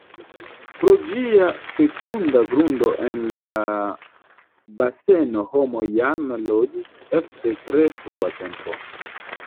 Pro ĝia fekunda grundo en la baseno homoj jam loĝis ekde tre frua tempo.